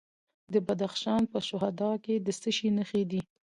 د بدخشان په شهدا کې د څه شي نښې دي؟